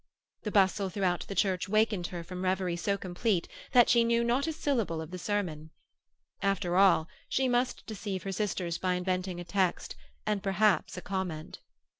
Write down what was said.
The bustle throughout the church wakened her from reverie so complete that she knew not a syllable of the sermon. After all she must deceive her sisters by inventing a text, and perhaps a comment.